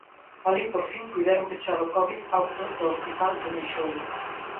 Alí, por fin, puideron pechar o covid auto do hospital do Meixoeiro.